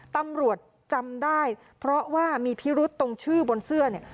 ตำรวจจำได้เพราะว่ามีพิรุษตรงชื่อบนเสื้อเนี่ย